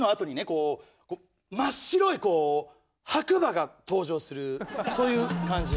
こうこう真っ白いこう白馬が登場するそういう感じ。